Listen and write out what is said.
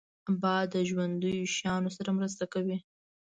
باد د ژوندیو شیانو سره مرسته کوي